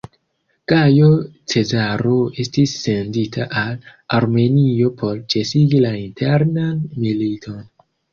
Gajo Cezaro estis sendita al Armenio por ĉesigi la internan militon.